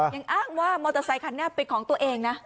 ยังอ้างว่ามอเตอร์ไซคันนี้เป็นของตัวเองนะ